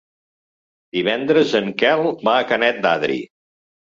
Divendres en Quel va a Canet d'Adri.